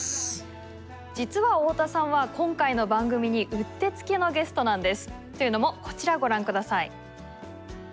実は太田さんは今回の番組に打ってつけのゲストなんです。というのもこちらをご覧下さい。